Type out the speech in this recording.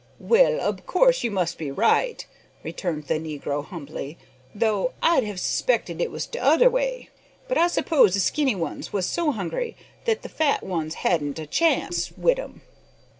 "Well, ob course you must be right," returned the negro, humbly, "though I'd have 'spected it was t'other way. But I s'pose the skinny ones was so hungry that the fat ones hadn't a chance wid 'em.